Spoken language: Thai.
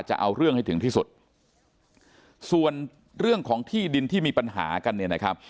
จะเอาเรื่องให้ถึงที่สุดส่วนเรื่องของที่ดินที่มีปัญหากันเนี่ยนะครับ